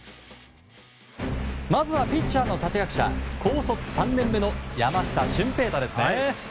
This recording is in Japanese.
まずはピッチャーの立役者高卒３年目の山下舜平大ですね。